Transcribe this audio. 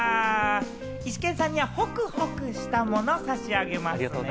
イシケンさんにはホクホクしたものを差し上げますね。